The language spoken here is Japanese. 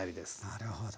なるほど。